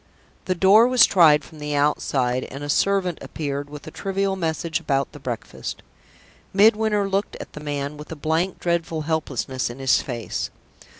The door was tried from the outside, and a servant appeared with a trivial message about the breakfast. Midwinter looked at the man with a blank, dreadful helplessness in his face.